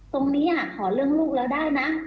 ขอเรื่องลูกแล้วได้นะ